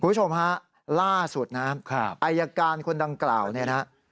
คุณผู้ชมฮะล่าสุดนะครับอายการคนดังกล่าวเนี่ยนะ